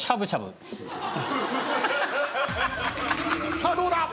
さあどうだ？